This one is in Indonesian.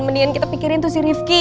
mendingan kita pikirin tuh si rifki